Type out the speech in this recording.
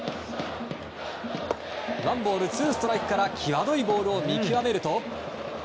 ワンボール、ツーストライクから際どいボールを見極めると。